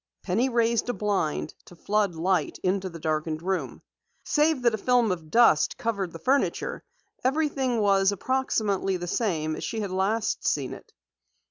Penny raised a blind to flood light into the darkened room. Save that a film of dust covered the furniture, everything was approximately the same as she had last seen it.